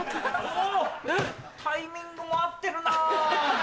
タイミングも合ってるな。